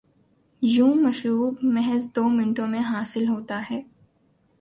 یوں مشروب محض دومنٹوں میں حاصل ہوجاتا ہے۔